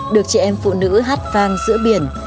được trẻ em phụ nữ hát vang giữa biển